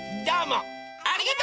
ありがとう！